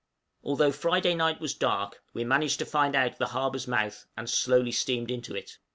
Although Friday night was dark, we managed to find out the harbor's mouth, and slowly steamed into it.